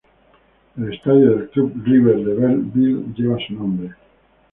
El estadio del Club River de Bell Ville lleva su nombre.